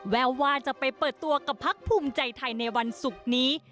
แววว่าจะไปเปิดตัวกับพักภูมิใจไทยในวันศุกร์นี้